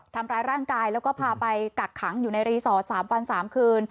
ทำร้ายร่างกายแล้วก็พาไปกักขังอยู่ในรีสอร์ท๓วัน๓คืน